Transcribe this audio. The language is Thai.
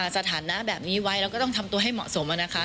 สถานะแบบนี้ไว้เราก็ต้องทำตัวให้เหมาะสมนะคะ